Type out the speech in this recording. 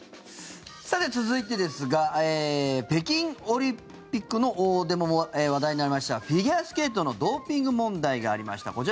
さて、続いてですが北京オリンピックでも話題になりましたフィギュアスケートのドーピング問題がありました。